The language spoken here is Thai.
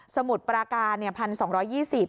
สมุดประกาศ๑๒๒๐